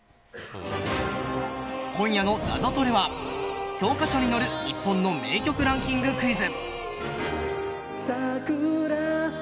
今夜の「ナゾトレ」は教科書に載る日本の名曲ランキングクイズ。